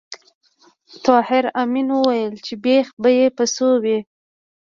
طاهر آمین وویل چې بېخ به یې په څو وي